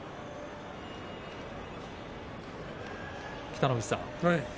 北の富士さん